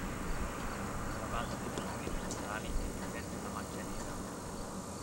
Alla base delle pinne pettorali è presente una macchia nera.